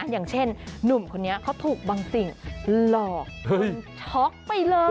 อย่างเช่นหนุ่มคนนี้เขาถูกบางสิ่งหลอกช็อกไปเลย